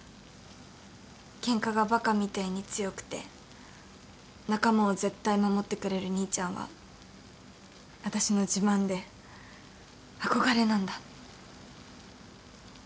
ケンカがバカみたいに強くて仲間を絶対守ってくれる兄ちゃんは私の自慢で憧れなんだ。